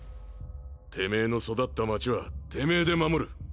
てめぇの育った街はてめぇで守る。